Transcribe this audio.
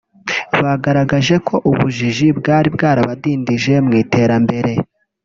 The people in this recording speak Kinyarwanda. bagaragaje ko ubujiji bwari bwarabadindije mu iterambere